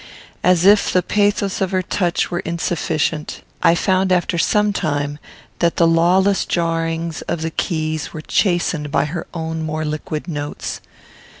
As if the pathos of her touch were insufficient, I found after some time that the lawless jarrings of the keys were chastened by her own more liquid notes.